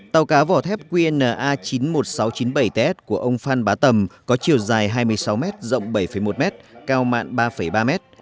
tàu cá vỏ thép qnna chín mươi một nghìn sáu trăm chín mươi bảy ts của ông phan bá tầm có chiều dài hai mươi sáu m rộng bảy một m cao mặn ba ba m